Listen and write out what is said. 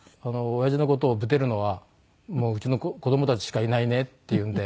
「親父の事をぶてるのはうちの子供たちしかいないね」っていうんで。